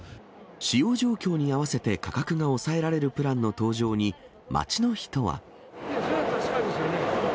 使用状況に合わせて価格が抑えられるプランの登場に、街の人それは助かりますよね。